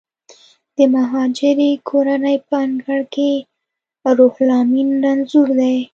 د مهاجرې کورنۍ په انګړ کې روح لامین رنځور دی